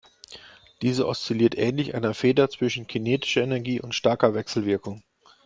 Diese oszilliert ähnlich einer Feder zwischen kinetischer Energie und starker Wechselwirkung.